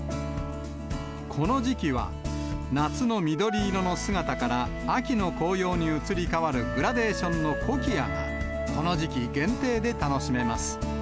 この時期は、夏の緑色の姿から、秋の紅葉に移り変わるグラデーションのコキアが、この時期限定で楽しめます。